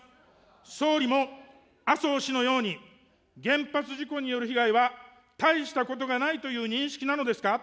総理も麻生氏のように、原発事故による被害は大したことがないという認識なのですか。